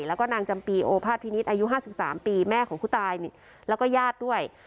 แล้วก็นางจำปีโอภาษพินิษฐ์อายุ๕๓ปีแม่ของผู้ตายแล้วก็ญาติด้วย